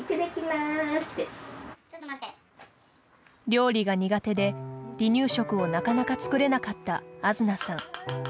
料理が苦手で、離乳食をなかなか作れなかったあづなさん。